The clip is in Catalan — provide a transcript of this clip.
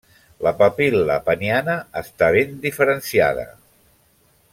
La papil·la peniana està ben diferenciada.